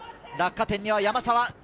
落下点には山沢。